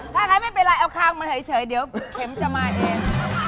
ถ้างั้นไม่เป็นไรเอาคางมาเฉยเดี๋ยวเข็มจะมาเอง